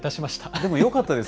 でもよかったです。